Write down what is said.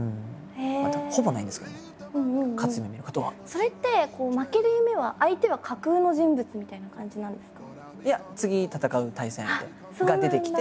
それって負ける夢は相手は架空の人物みたいな感じなんですか？